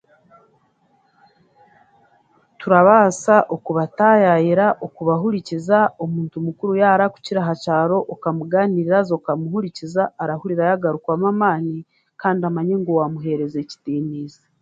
Turabaasa okubaatayaayira, okubahurikiza omuntu mukuru yaarakukira aha kyaro okamugaanirira haza okumuhurikiza arahurira yaagarukamu amaani kandi amanye ngu waamuheereza ekitiinisa